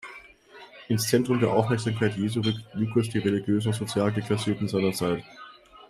Ins Zentrum der Aufmerksamkeit Jesu rückt Lukas die religiös und sozial Deklassierten seiner Zeit.